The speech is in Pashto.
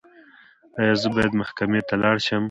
ایا زه باید محکمې ته لاړ شم؟